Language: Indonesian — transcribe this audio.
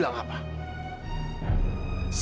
jangan hapus kamu